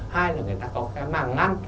hai là người ta có cái màng ngăn